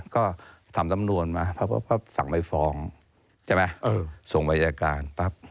ก็ทำตำนวนมาสั่งไม้ฟองส่งไปจัดการ